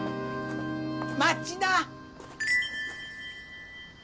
待ちな！